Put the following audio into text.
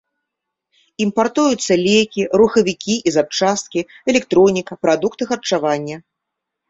Імпартуюцца лекі, рухавікі і запчасткі, электроніка, прадукты харчавання.